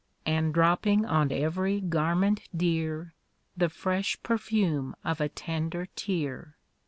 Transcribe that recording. And dropping on every garment dear The fresh perfume of a tender tear.